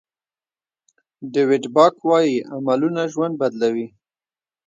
ډویډ باک وایي عملونه ژوند بدلوي.